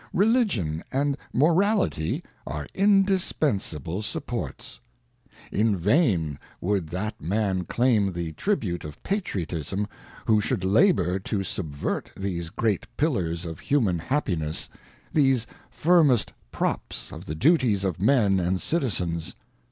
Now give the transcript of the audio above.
Religion and * morality are indispensable supports. ŌĆö In vain would that man claim the tribute of Patriotism, who should labour to subvert these great Pillars of human happiness, these firmest props of the duties of Men and Citizens.